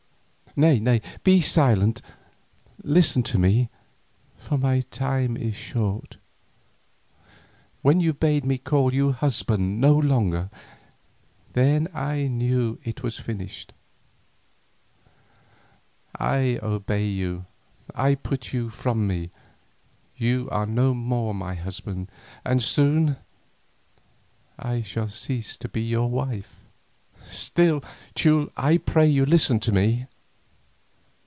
"Nay, be silent; listen to me, for my time is short. When you bade me call you 'husband' no longer, then I knew that it was finished. I obey you, I put you from me, you are no more my husband, and soon I shall cease to be your wife; still, Teule, I pray you listen to me.